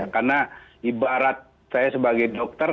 karena ibarat saya sebagai dokter